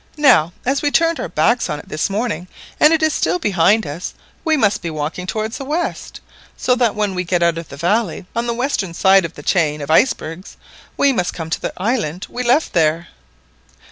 Now as we turned our backs on it this morning, and it is still behind us, we must be walking towards the west, so that when we get out of the valley on the western side of the chain of icebergs, we must come to the island we left there."